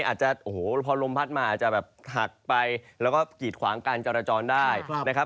อาจจะโอ้โหพอลมพัดมาอาจจะแบบหักไปแล้วก็กีดขวางการจราจรได้นะครับ